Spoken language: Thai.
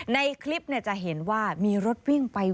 ในคลิปจะเห็นว่ามีรถวิ่งไป